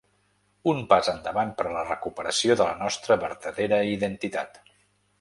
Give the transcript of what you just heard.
Un pas endavant per a la recuperació de la nostra vertadera identitat.